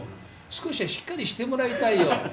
少しはしっかりしてもらいたいよ。